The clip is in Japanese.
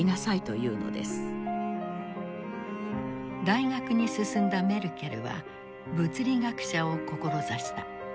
大学に進んだメルケルは物理学者を志した。